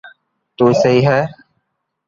تو سھي ھي